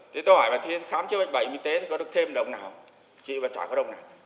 thế tôi hỏi là khi khám chứa bệnh bảy y tế có được thêm đồng nào chỉ và chả có đồng nào